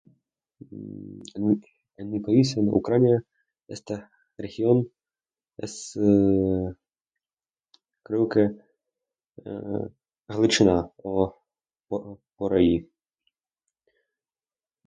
En mi país, en Ucrania, esta región, es... creo que ... eh Kyivschyna ... o... por ahí.